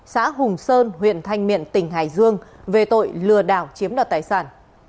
xã hùng sơn huyện thanh miện tỉnh hải dương về tội lừa đảo chiếm đoạt tài sản